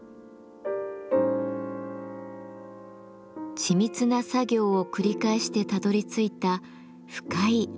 緻密な作業を繰り返してたどりついた深い藍色。